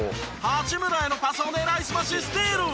八村へのパスを狙いすましスティール。